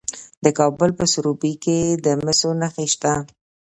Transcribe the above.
د کابل په سروبي کې د مسو نښې شته.